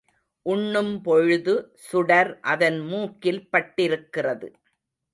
உண்ணும் பொழுது சுடர் அதன் மூக்கில் பட்டிருக்கிறது.